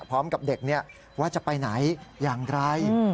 พร้อมกับเด็กว่าจะไปไหนอย่างไร